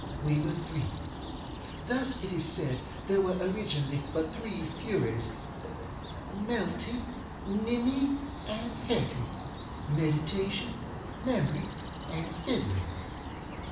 We were three. Thus it is said there were originally but three FuriesŌĆöMelty, Nimmy, and HettyŌĆöMeditation, Memory, and Fiddling.